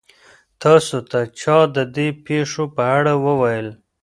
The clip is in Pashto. تاسو ته چا د دې پېښو په اړه وویل؟